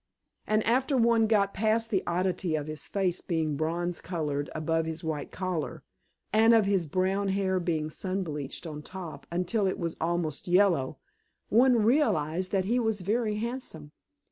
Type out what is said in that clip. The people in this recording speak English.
And after one got past the oddity of his face being bronze colored above his white collar, and of his brown hair being sun bleached on top until it was almost yellow, one realized that he was very handsome.